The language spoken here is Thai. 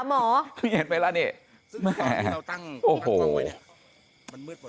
พาตับไปหาหมอ